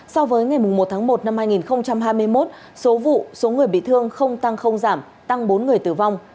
so với ngày một tháng một năm hai nghìn hai mươi một số vụ số người bị thương không tăng không giảm tăng bốn người tử vong